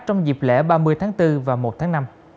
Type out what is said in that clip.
trong dịp lễ ba mươi tháng bốn và một tháng năm